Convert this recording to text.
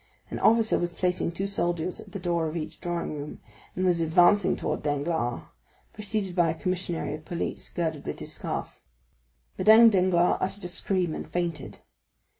An officer was placing two soldiers at the door of each drawing room, and was advancing towards Danglars, preceded by a commissary of police, girded with his scarf. Madame Danglars uttered a scream and fainted.